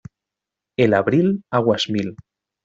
El abril, aguas mil